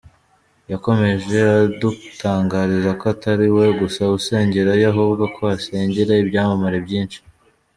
Yakomeje adutangariza ko atari we gusa usengerayo ahubwo ko hasengera ibyamamare byinshi.